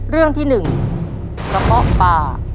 เรื่องที่๑กระเพาะป่า